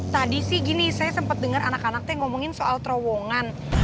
tadi sih gini saya sempat dengar anak anaknya ngomongin soal terowongan